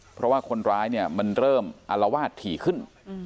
เพราะว่าคนร้ายเนี่ยมันเริ่มอารวาสถี่ขึ้น